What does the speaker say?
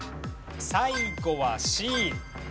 最後はＣ。